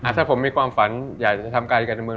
ถ้าผมมีความฝันอยากจะทำการการเมือง